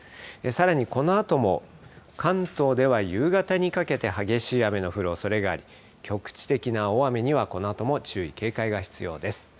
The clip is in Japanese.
さらにこのあとも関東では夕方にかけて激しい雨の降るおそれがあり、局地的な大雨にはこのあとも注意、警戒が必要です。